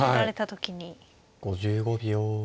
５５秒。